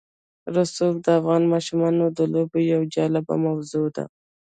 رسوب د افغان ماشومانو د لوبو یوه جالبه موضوع ده.